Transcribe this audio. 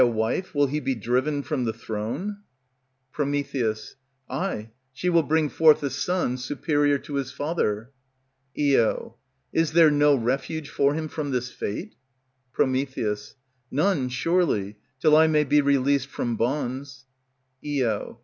_ By a wife will he be driven from the throne? Pr. Ay, she will bring forth a son superior to his father. Io. Is there no refuge for him from this fate? Pr. None, surely, till I may be released from bonds. _Io.